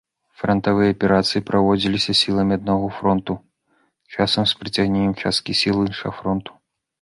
Франтавыя аперацыі праводзіліся сіламі аднаго фронту, часам з прыцягненнем часткі сіл іншага фронту.